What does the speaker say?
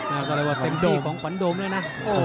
น่าจะเรียกว่าเต็มที่ของขวัญโดมด้วยนะ